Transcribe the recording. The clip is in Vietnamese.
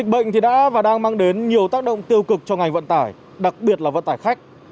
bệnh thì đã và đang mang đến nhiều tác động tiêu cực cho ngành vận tải đặc biệt là vận tải khách